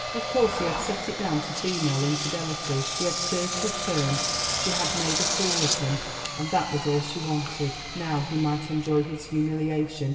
Of course he had set it down to female infidelity; he had served her turn, she had made a fool of him, and that was all she wanted. Now he might enjoy his humiliation.